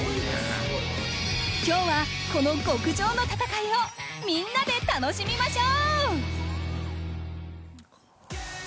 今日は、この極上の戦いをみんなで楽しみましょう！